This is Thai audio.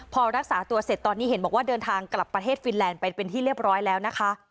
พอรักษาตัวเสร็จตอนนี้เห็นบอกว่าเดินทางกลับประเทศฟินแลนด์ไปเป็นที่เรียบร้อยแล้วนะคะ